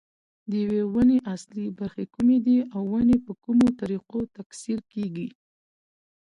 د یوې ونې اصلي برخې کومې دي او ونې په کومو طریقو تکثیر کېږي.